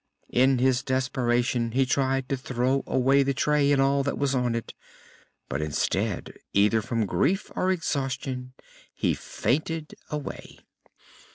In his desperation he tried to throw away the tray and all that was on it; but instead, either from grief or exhaustion, he fainted away.